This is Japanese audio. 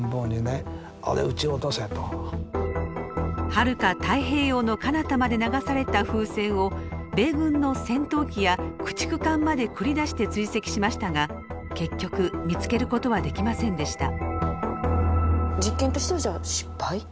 はるか太平洋のかなたまで流された風船を米軍の戦闘機や駆逐艦まで繰り出して追跡しましたが結局見つけることはできませんでした。